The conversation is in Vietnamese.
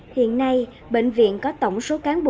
hiện nay bệnh viện có tổng số cán bộ